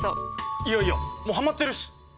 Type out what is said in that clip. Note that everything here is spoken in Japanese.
いやいやもうハマってるし。